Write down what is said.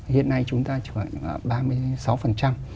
hiện nay chúng ta chỉ khoảng ba mươi sáu